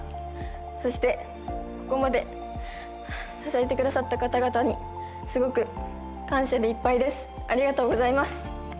そしてここまで支えてくださった方々にすごく感謝でいっぱいですありがとうございます